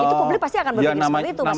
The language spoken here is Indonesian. itu publik pasti akan berpikir seperti itu mas